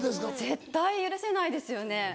絶対許せないですよね。